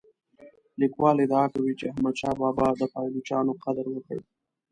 لیکوال ادعا کوي احمد شاه بابا د پایلوچانو قدر وکړ.